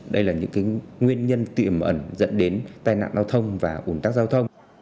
đây là những nguyên nhân tiềm ẩn dẫn đến tai nạn giao thông và ủn tắc giao thông